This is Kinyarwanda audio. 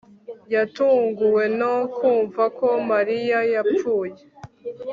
yatunguwe no kumva ko mariya yapfuye